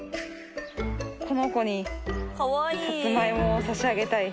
この子にサツマイモを差し上げたい。